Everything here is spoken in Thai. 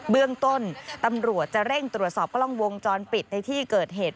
เบื้องต้นตำรวจจะเร่งตรวจสอบกล้องวงจรปิดในที่เกิดเหตุ